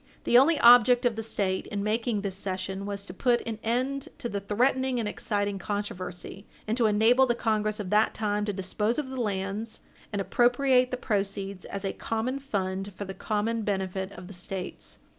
The only object of the State in making Page 60 U. S. 434 this cession was to put an end to the threatening and exciting controversy, and to enable the Congress of that time to dispose of the lands and appropriate the proceeds as a common fund for the common benefit of the States.